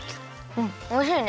うんおいしいね。